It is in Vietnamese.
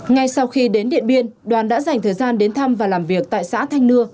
ngay sau khi đến điện biên đoàn đã dành thời gian đến thăm và làm việc tại xã thanh nưa